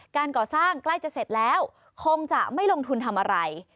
การก่อสร้างใกล้จะเสร็จแล้วคงจะไม่ลงทุนทำอะไร